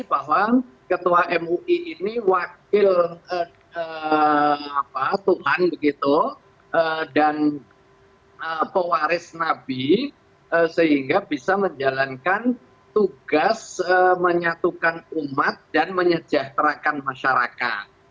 bahwa ketua mui ini wakil tuhan dan pewaris nabi sehingga bisa menjalankan tugas menyatukan umat dan menyejahterakan masyarakat